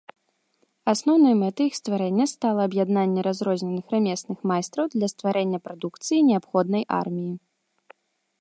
Асноўнай мэтай іх стварэння стала аб'яднанне разрозненых рамесных майстраў для стварэння прадукцыі, неабходнай арміі.